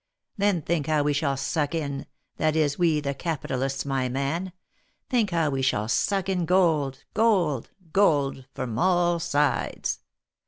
Then think how we shall suck in — that is we the capitalists, my man — think how we shall suck in gold, gold, gold, from all sides.